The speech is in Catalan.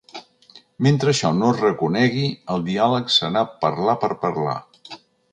Mentre això no es reconegui, el diàleg serà parlar per parlar.